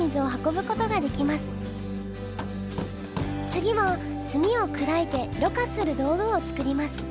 次は炭をくだいてろ過する道具を作ります。